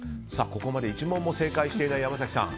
ここまで１問も正解していない山崎さん。